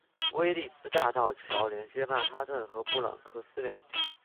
威利斯大道桥连接曼哈顿和布朗克斯两地。